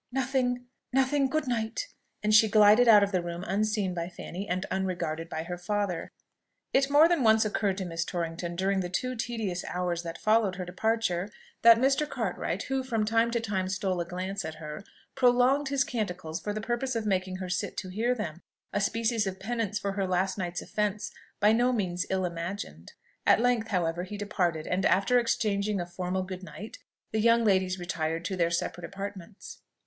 "Nothing, nothing! Good night!" and she glided out of the room unseen by Fanny and unregarded by her father. It more than once occurred to Miss Torrington during the two tedious hours that followed her departure, that Mr. Cartwright, who from time to time stole a glance at her, prolonged his canticles for the purpose of making her sit to hear them; a species of penance for her last night's offence by no means ill imagined. At length, however, he departed; and after exchanging a formal "Good night," the young ladies retired to their separate apartments.